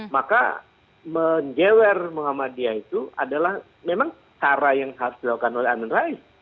maka menjewer muhammadiyah itu adalah memang cara yang harus dilakukan oleh amin rais